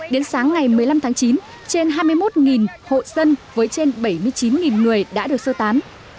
đến sáng ngày một mươi năm tháng chín trên hai mươi một hộ dân với trên bảy mươi chín người đã được sơ tán